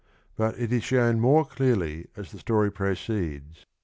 But it is shown more clearly as the story proceeds.